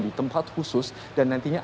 di tempat khusus dan nantinya